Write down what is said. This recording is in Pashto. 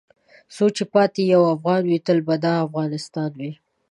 څو چې پاتې یو افغان وې تل به دا افغانستان وې .